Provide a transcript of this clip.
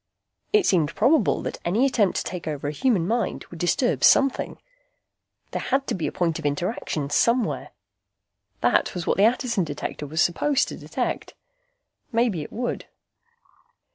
It seemed probable that any attempt to take over a human mind would disturb something. There had to be a point of interaction, somewhere. That was what the Attison Detector was supposed to detect. Maybe it would.